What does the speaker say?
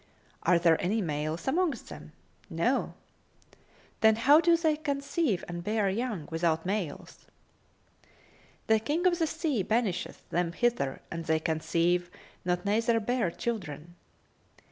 "Are there any males among them?" "No!" "Then how do they conceive and bear young, without males?[FN#266]" "The King of the sea banisheth them hither and they conceive not neither bear children.